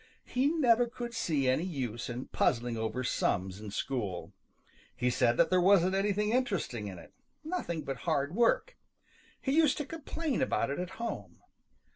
He never could see any use in puzzling over sums in school. He said that there wasn't anything interesting in it; nothing but hard work. He used to complain about it at home.